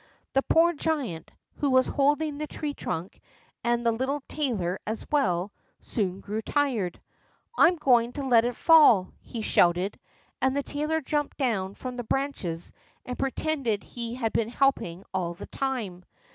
The poor giant, who was holding the tree trunk and the little tailor as well, soon grew tired. "I'm going to let it fall!" he shouted, and the tailor jumped down from the branches, and pretended he had been helping all the time.